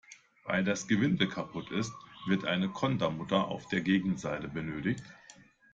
Weil das Gewinde kaputt ist, wird eine Kontermutter auf der Gegenseite benötigt.